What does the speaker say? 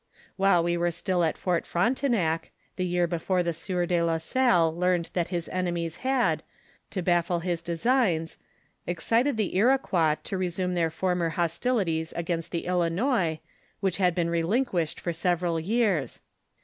While we were still at Fort Frontenac, the year before the sieur de la Salle learned that his enemies had, to baffle his designs, excited the Iroquois to resume their former hostilities against the Ilinois, which had been relinquished for several years.